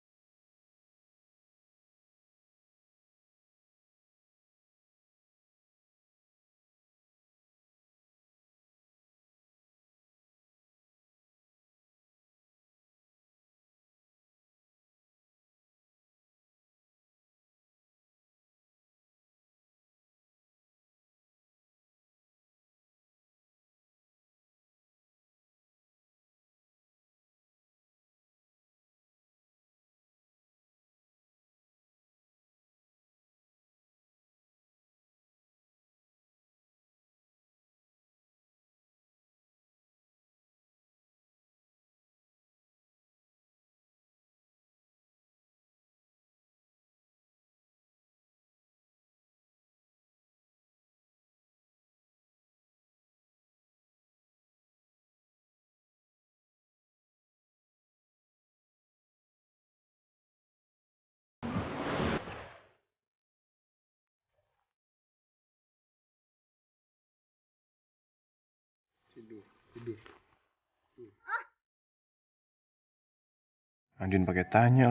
aku mau ikut sama dia